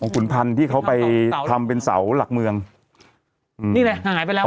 ขุนพันธ์ที่เขาไปทำเป็นเสาหลักเมืองอืมนี่แหละหายไปแล้ว